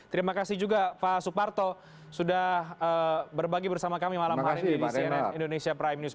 terima kasih juga pak suparto sudah berbagi bersama kami malam hari ini di cnn indonesia prime news